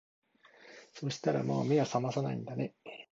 そしたらもう目を覚まさないんだね